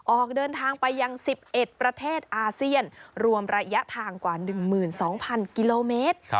ออกเดินทางไปยังสิบเอ็ดประเทศอาเซียนรวมระยะทางกว่าหนึ่งหมื่นสองพันกิโลเมตร